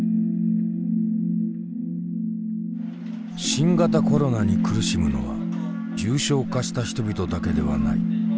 新型コロナに苦しむのは重症化した人々だけではない。